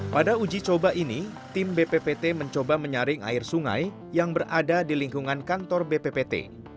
pada uji coba ini tim bppt mencoba menyaring air sungai yang berada di lingkungan kantor bppt